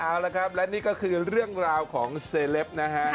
เอาละครับและนี่ก็คือเรื่องราวของเซลปนะฮะ